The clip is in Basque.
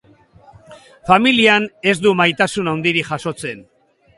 Familian ez du maitasun handirik jasotzen.